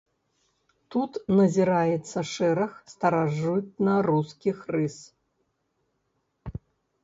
Тут назіраецца шэраг старажытнарускіх рыс.